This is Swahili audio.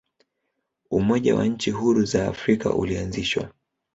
umoja wa nchi huru za afrika ulianzishwa